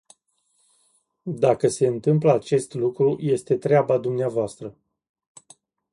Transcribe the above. Dacă se întâmplă acest lucru, este treaba dvs.